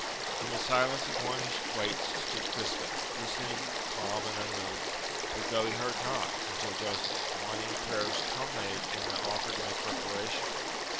In the silence of one who waits stood Crispin, listening, calm and unmoved, as though he heard not, until Joseph's whining prayers culminated in an offer to make reparation.